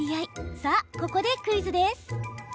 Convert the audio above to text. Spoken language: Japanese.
さあ、ここでクイズです。